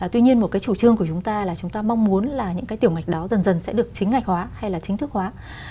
tuy nhiên một cái chủ trương của chúng ta là chúng ta mong muốn là những cái tiểu mạch đó dần dần sẽ được chính ngạch hóa hay là chính thức hóa